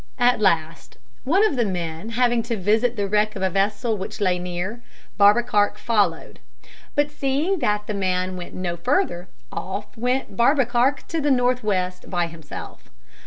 At last, one of the men having to visit the wreck of a vessel which lay near, Barbekark followed; but seeing that the man went no further, off went Barbekark to the north west by himself.